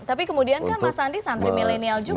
tapi kemudian kan mas andi santri milenial juga